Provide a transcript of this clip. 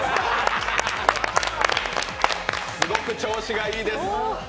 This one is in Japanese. すごく調子がいいです。